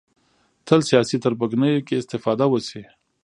تل سیاسي تربګنیو کې استفاده وشي